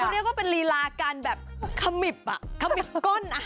เรียกว่าเป็นลีลาการแบบขมิบขมิบก้น